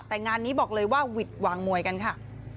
แต่งานนี้บอกเลยว่าหวิดวางมวยกันค่ะ